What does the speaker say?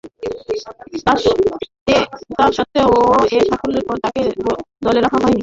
তাসত্ত্বেও, এ সাফল্যের পর তাকে দলে রাখা হয়নি।